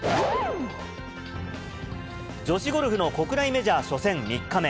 女子ゴルフの国内メジャー初戦３日目。